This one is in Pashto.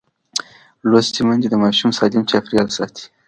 لوستې میندې د ماشوم سالم چاپېریال ساتي.